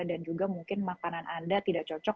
dan juga mungkin makanan anda tidak cocok